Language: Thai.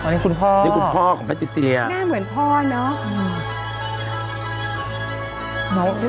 อ๋อนี่คุณพ่อนี่คุณพ่อของพระเจศรียะ